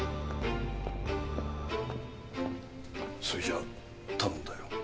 それじゃ頼んだよ。